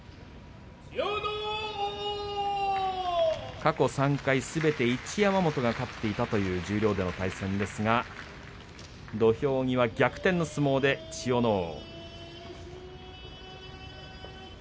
過去３回すべて一山本が勝っていたという、十両での対戦ですが土俵際、逆転の相撲で千代ノ皇。